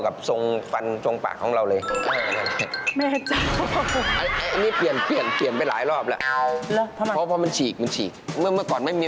ค่าทุกอย่างก็เกือบหมื่นนะครับค่าทุกอย่างก็เกือบหมื่นนะครับ